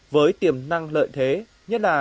với tiềm năng lợi thế nhất là